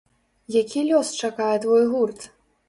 Які лёс чакае твой гурт?